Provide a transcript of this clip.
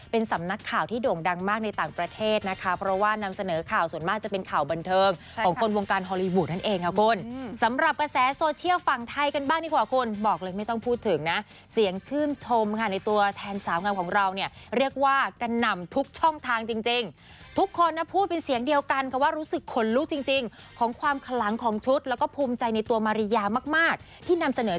เป็นสำนักข่าวที่โด่งดังมากในต่างประเทศนะคะเพราะว่านำเสนอข่าวส่วนมากจะเป็นข่าวบันเทิงของคนวงการฮอลลี่วูดนั่นเองค่ะคุณสำหรับกระแสโซเชียลฝั่งไทยกันบ้างดีกว่าคุณบอกเลยไม่ต้องพูดถึงนะเสียงชื่นชมในตัวแทนสาวงามของเราเนี่ยเรียกว่ากระหน่ำทุกช่องทางจริงทุกคนนะพูดเป็นเสียงเด